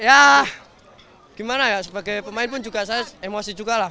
ya gimana ya sebagai pemain pun juga saya emosi juga lah